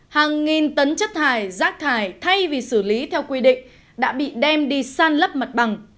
hàng nghìn tấn chất thải rác thải thay vì xử lý theo quy định đã bị đem đi san lấp mặt bằng